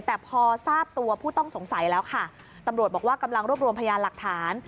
แต่พอทราบตัวผู้ต้องสงสัยแล้วค่ะตำรวจบอกว่ากำลังรวบรวมพยานหลักฐาน